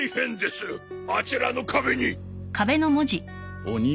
あちらの壁に！